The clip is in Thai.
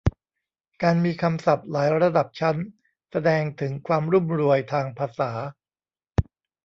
การมีคำศัพท์หลายระดับชั้น แสดงถึงความรุ่มรวยทางภาษา